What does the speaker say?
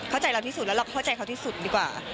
เข้าใจเราที่สุดแล้วเราเข้าใจเขาที่สุดดีกว่า